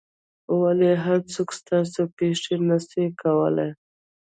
ولي هر څوک ستاسو پېښې نه سي کولای؟